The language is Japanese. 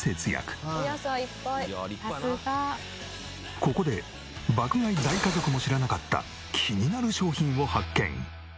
ここで爆買い大家族も知らなかった気になる商品を発見！